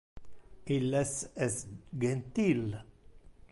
Illes es gentil.